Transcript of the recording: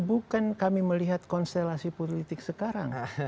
bukan kami melihat konstelasi politik sekarang